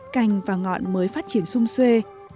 cành và ngọn mới phát triển xung xuê